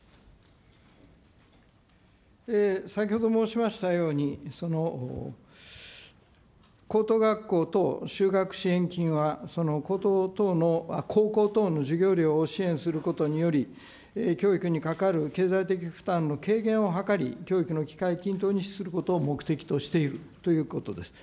先ほど申しましたように、高等学校等就学支援金は、そのこうとう、高校等の授業料を支援することにより、教育にかかる経済的負担の軽減を図り、教育の機会均等に資することを目的としているということです。